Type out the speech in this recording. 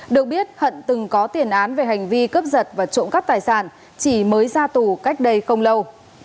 được biết hận từng có tiền án về hành vi cướp giật và trộm cắp tài sản chỉ mới ra tù cách đây không lâu